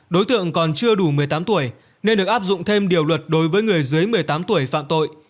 đối tượng còn chưa đủ một mươi tám tuổi nên được áp dụng thêm điều luật đối với người dưới một mươi tám tuổi phạm tội